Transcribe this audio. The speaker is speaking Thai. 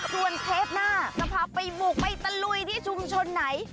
ส่วนเทปหน้าจะพาไปบุกไปตะลุยที่ชุมชนไหน